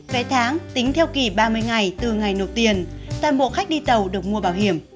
vé tháng tính theo kỳ ba mươi ngày từ ngày nộp tiền toàn bộ khách đi tàu được mua bảo hiểm